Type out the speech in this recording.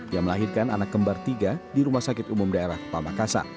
yang melahirkan anak kembar tiga di rumah sakit umum daerah pamekasan